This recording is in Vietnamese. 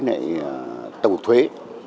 tổng cục thuế